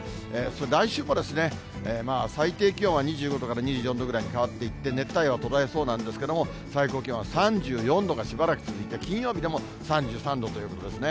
来週もまあ、最低気温は２５度から２４度ぐらいに変わっていって、熱帯夜は途絶えそうなんですけれども、最高気温は３４度がしばらく続いて、金曜日でも３３度ということですね。